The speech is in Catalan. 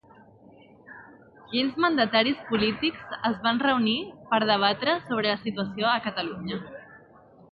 Quins mandataris polítics es van reunir per debatre sobre la situació a Catalunya?